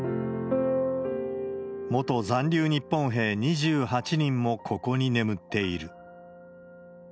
元残留日本兵２８人もここに眠っている。